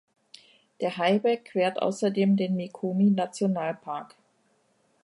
Der Highway quert außerdem den Mikumi-Nationalpark.